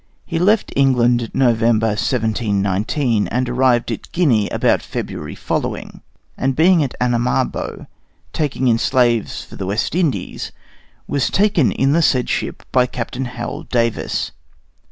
He left England November, 1719, and arrived at Guinea about February following and being at Anamaboe, taking in slaves for the West Indies, was taken in the said ship by Captain Howel Davis.